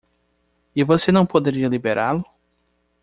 E você não poderia liberá-lo?